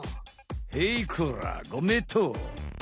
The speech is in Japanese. へいこらごめいとう。